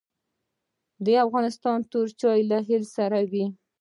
د افغانستان تور چای له هل سره وي